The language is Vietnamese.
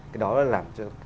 cái đó làm cho